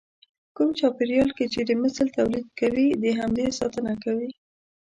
په کوم چاپېريال کې چې د مثل توليد کوي د همدې ساتنه کوي.